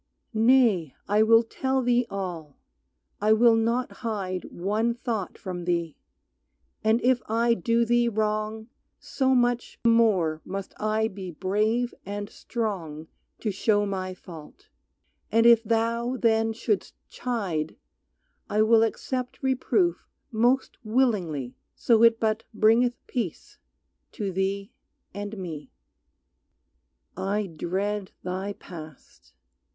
Nay I will tell thee all, I will not hide One thought from thee, and if I do thee wrong So much the more must I be brave and strong To show my fault. And if thou then shouldst chide I will accept reproof most willingly So it but bringeth peace to thee and me. I dread thy past.